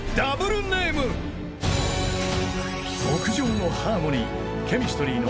［極上のハーモニー］